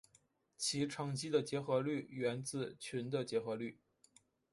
其乘积的结合律源自群的结合律。